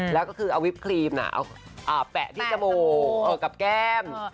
แล้วก็คือเอาวิปครีมนะแปะนี้กับแก้ม